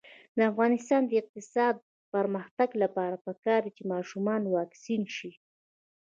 د افغانستان د اقتصادي پرمختګ لپاره پکار ده چې ماشومان واکسین شي.